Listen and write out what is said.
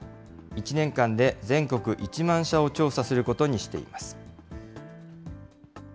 １年間で全国１万社を調査することにしています。